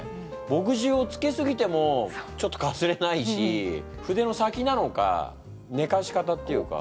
ぼくじゅうをつけすぎてもちょっとかすれないし筆の先なのかねかし方っていうか。